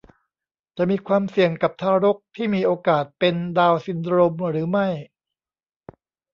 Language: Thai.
จะมีความเสี่ยงกับทารกที่มีโอกาสเป็นดาวน์ซินโดรมหรือไม่